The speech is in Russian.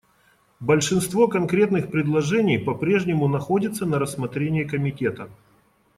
Большинство конкретных предложений по-прежнему находится на рассмотрении Комитета.